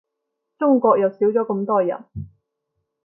中國又少咗咁多人